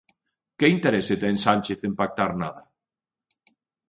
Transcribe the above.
Que interese ten Sánchez en pactar nada?